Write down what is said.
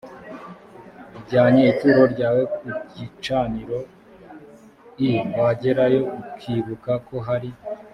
ujyanye ituro ryawe ku gicaniro l wagerayo ukibuka ko hari